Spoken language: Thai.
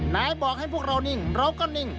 ไหนบอกให้พวกเรานิ่งเราก็นิ่ง